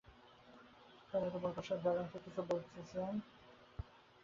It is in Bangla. সম্ভবত বরকত সাহেব দারোয়ানকে কিছু বলেছেন।